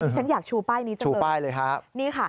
ฉันอยากชูป้ายนี้เจ้าเลยชูป้ายเลยครับ